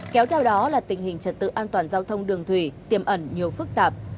kéo theo đó là tình hình trật tự an toàn giao thông đường thủy tiềm ẩn nhiều phức tạp